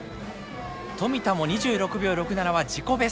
富田も２６秒６７は自己ベスト。